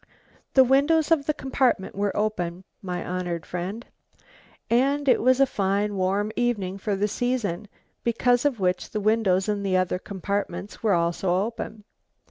"The windows of the compartment were open, my honoured friend, and it was a fine warm evening for the season, because of which the windows in the other compartment were also open.